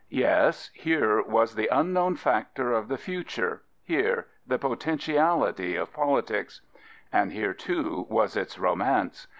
Yes, here was the unknown factor of the future, here the potentiality of politics. And here, too, was its romance.